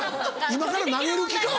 今から投げる気か？